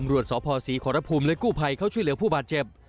สพศรีขอรภูมิและกู้ภัยเขาช่วยเหลือผู้บาดเจ็บ